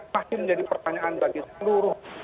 pasti menjadi pertanyaan bagi seluruh